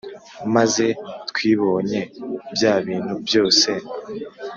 maze twbibonye byabintu byose